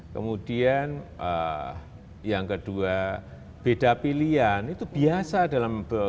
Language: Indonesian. kemudian yang kedua beda pilihan itu biasa dalam